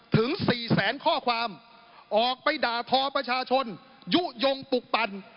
ถึงสี่แสนข้อความออกไปด่าทอประชาชนยุโยงปลุกปั่น